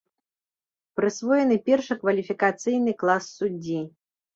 Прысвоены першы кваліфікацыйны клас суддзі.